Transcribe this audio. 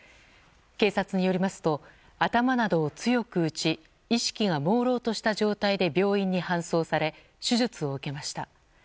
警察によりますと頭などを強く打ち意識がもうろうとした状態で病院に搬送され手術を受けました。